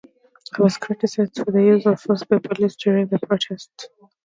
He was criticised for the use of force by the Police during the protests.